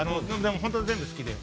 本当、全部好きです。